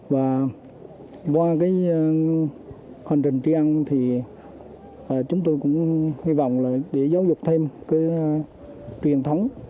và qua cái hành trình thì chúng tôi cũng hy vọng là để giáo dục thêm cái truyền thống